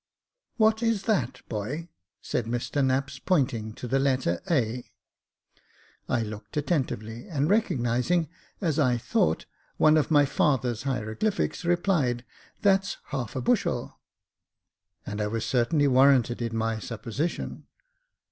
"What is that, boy?" said Mr Knapps, pointing to the letter A. I looked attentively, and recognising,, as I thought, one of my father's hieroglyphics, replied, " That's half a bushel ;" and I was certainly warranted in my supposition.